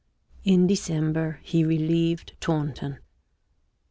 In December he relieved Taunton.